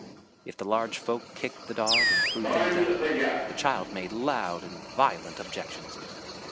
If the large folk kicked the dog and threw things at him, the child made loud and violent objections.